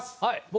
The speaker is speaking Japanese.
はい。